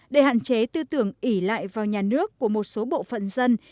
để hạn chế tư tưởng ỉ lại vào nhà nước của một số bộ phận dân